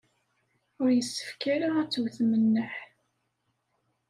Ur yessefk ara ad tewtem nneḥ.